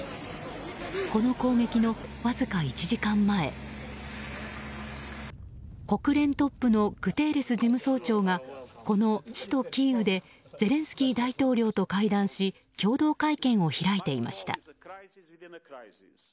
この攻撃のわずか１時間前国連トップのグテーレス事務総長がこの首都キーウでゼレンスキー大統領と会談し共同会見を開いていました。